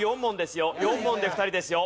４問で２人ですよ。